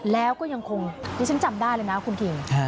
แล้วก็ยังคงดิฉันจำได้เลยนะคุณคิง